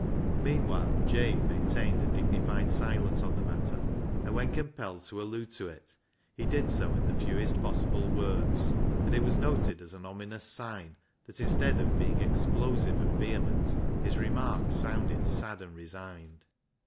Meanwhile Jabe maintained a dignified silence on the matter, and when compelled to allude to it he did so in the fewest possible words ; and it was noted as an ominous sign that instead of being explosive and vehement, his remarks sounded sad and resigned.